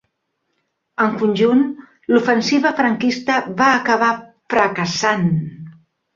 En conjunt, l'ofensiva franquista va acabar fracassant.